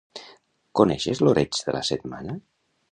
Coneixes l'oreig de la setmana?